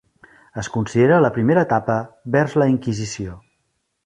Es considera la primera etapa vers la Inquisició.